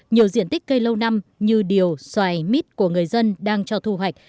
nhiều diện tích cây lâu năm như điều xoài mít của người dân đang cho thu hoạch